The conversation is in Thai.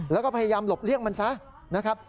แล้วก็พยายามหลบเลี่ยงมันซะนะครับ